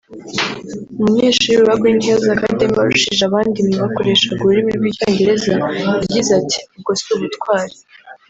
umunyeshuri wa Green Hills Academy warushije abandi mu bakoreshaga ururimi rw’Icyongereza yagize ati” ubwo si ubutwari